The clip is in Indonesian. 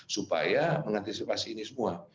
supaya mengantisipasi ini semua